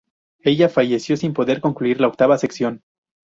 Ella falleció sin poder concluir la octava sección.